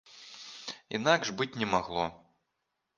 Інакш быць не магло.